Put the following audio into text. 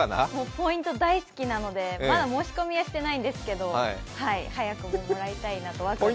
ポイント大好きなのでまだ申し込みはしていないんですけど早くもらいたいなと思います。